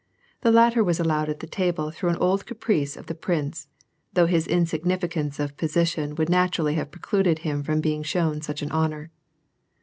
The latter was allowed at the table through an old caprice of the prince, though his insignificance of position would naturally have precluded him from being shown such an honor.